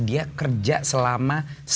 dia kerja selama